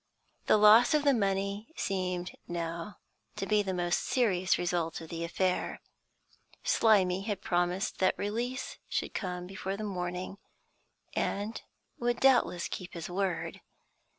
The loss of the money seemed now to be the most serious result of the affair. Slimy had promised that release should come before the morning, and would doubtless keep his word.